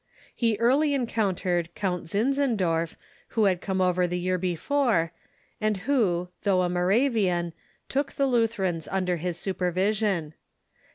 He early encountered Count Zinzendorf, who had come over the year before, and who, though a Moravian, took the L'.ither ans under his supervision.